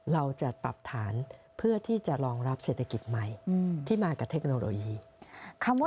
เราจะปรับฐานเพื่อที่จะรองรับเศรษฐกิจใหม่ที่มากับเทคโนโลยี